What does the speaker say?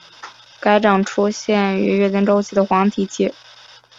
该症出现于月经周期的黄体期。